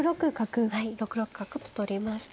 はい６六角と取りました。